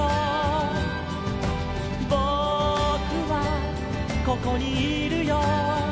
「ぼくはここにいるよ」